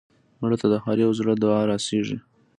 مړه ته د هر یو زړه دعا رسېږي